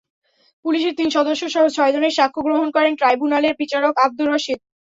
পুলিশের তিন সদস্যসহ ছয়জনের সাক্ষ্য গ্রহণ করেন ট্রাইব্যুনালের বিচারক আবদুর রশীদ।